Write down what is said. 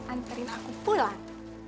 anterin aku pulang